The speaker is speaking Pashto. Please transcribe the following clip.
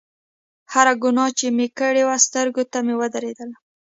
هره ګناه چې مې کړې وه سترګو ته مې ودرېدله.